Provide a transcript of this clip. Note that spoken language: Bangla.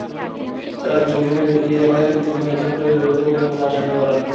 এঁরা জামিনে বেরিয়ে এলে তিনি নতুন করে বিপদে পড়বেন বলে আশঙ্কা করেন।